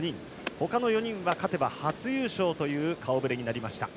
他の４人は勝てば初優勝という顔ぶれになりました。